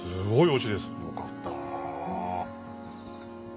よかった。